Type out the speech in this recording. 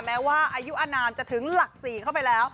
แม้ว่าอายุอนามจะถึงหลัก๔เข้าไปแล้ว